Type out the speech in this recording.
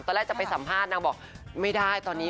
จะไปสัมภาษณ์นางบอกไม่ได้ตอนนี้